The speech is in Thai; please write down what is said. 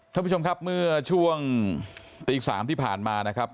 ท่านผู้ชมครับเมื่อช่วงตี๓ที่ผ่านมานะครับ